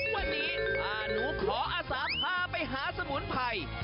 วันนี้ถ้าหนูขออาสาพาไปหาสมุนไพร